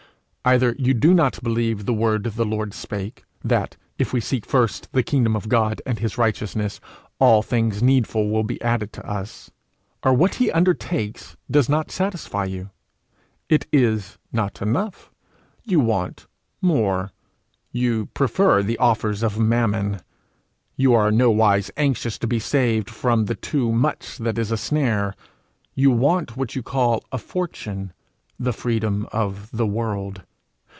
Either you do not believe the word the Lord spake that, if we seek first the kingdom of God and his righteousness, all things needful will be added to us; or what he undertakes does not satisfy you; it is not enough; you want more; you prefer the offers of Mammon. You are nowise anxious to be saved from the too much that is a snare; you want what you call a fortune the freedom of the world.